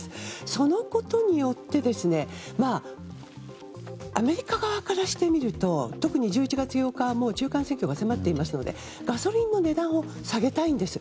そのことによってアメリカ側からしてみると特に１１月８日はもう中間選挙が迫っていますのでガソリンの値段を下げたいんです。